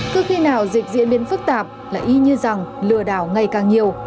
từ khi nào dịch diễn biến phức tạp là y như rằng lừa đảo ngày càng nhiều